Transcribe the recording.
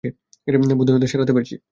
বোধহয় ওদের সরাতে পেরেছি।